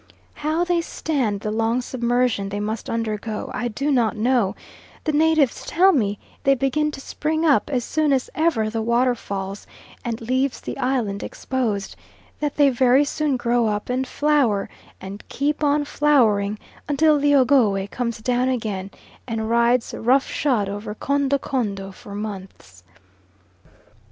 How they stand the long submersion they must undergo I do not know; the natives tell me they begin to spring up as soon as ever the water falls and leaves the island exposed; that they very soon grow up and flower, and keep on flowering until the Ogowe comes down again and rides roughshod over Kondo Kondo for months.